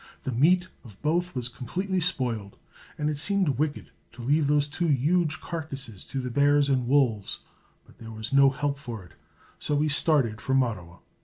The meat of both was completely spoiled, and it seemed wicked to leave those two huge carcasses to the bears and wolves; but there was no help for it, so we started for Mattawa.